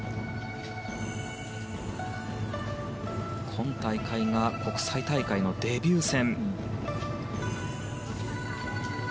今大会が国際大会のデビュー戦。